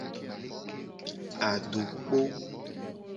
Adokpo.